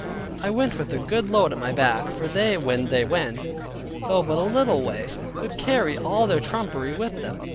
I went with a good load at my back (for they when they went, though but a little way, would carry all their trumpery with them).